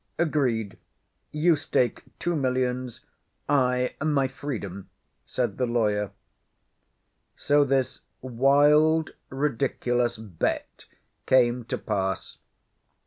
"Agreed. You stake two millions, I my freedom," said the lawyer. So this wild, ridiculous bet came to pass.